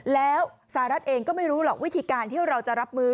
แล้วสหรัฐเองก็ไม่รู้หรอกวิธีการที่เราจะรับมือ